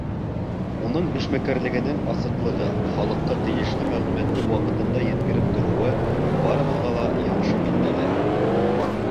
Уның эшмәкәрлегенең асыҡлығы, халыҡҡа тейешле мәғлүмәтте ваҡытында еткереп тороуы барыбыҙға ла яҡшы билдәле.